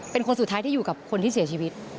เป็นคนสุดท้ายที่อยู่กับคนที่เสียชีวิต